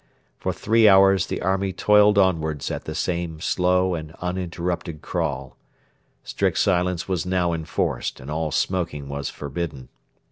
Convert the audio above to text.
For three hours the army toiled onwards at the same slow and interrupted crawl. Strict silence was now enforced, and all smoking was forbidden.